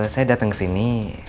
saya datang kesini